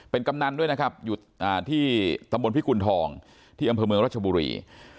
เป็นกำนันด้วยนะครับอยู่ที่ตำบลพิกุณฑองที่อำเภอเมืองรัชบุรี